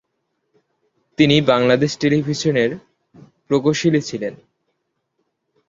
তিনি বাংলাদেশ টেলিভিশনের প্রকৌশলী ছিলেন।